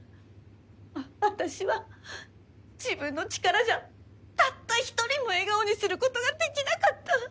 ああたしは自分の力じゃたった１人も笑顔にすることができなかった。